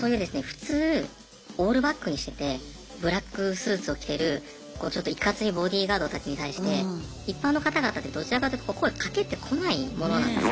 普通オールバックにしててブラックスーツを着てるちょっといかついボディーガードたちに対して一般の方々ってどちらかというと声かけてこないものなんですね。